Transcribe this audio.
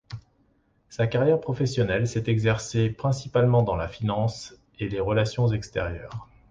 Sa carrière professionnelle s’est exercée principalement dans la finance et les relations extérieures.